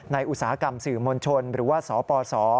อุตสาหกรรมสื่อมวลชนหรือว่าสปส